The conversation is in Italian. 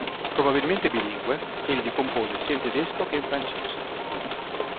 Probabilmente bilingue, egli compose sia in tedesco che in francese.